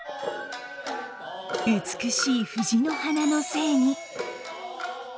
美しい藤の花の精に。